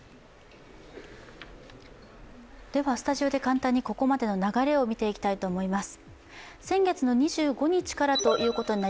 スタジオで簡単にここまでの流れを見ていきたいと思います。